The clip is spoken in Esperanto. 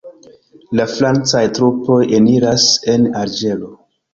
La francaj trupoj eniras en Alĝero.